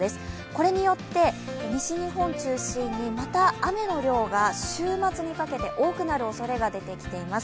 これによって西日本中心にまた雨の量が週末にかけて多くなるおそれが出てきています。